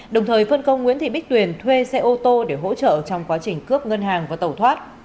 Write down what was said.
đồng thời phân công nguyễn thị bích tuyền thuê xe ô tô để hỗ trợ trong quá trình cướp ngân hàng và tàu thoát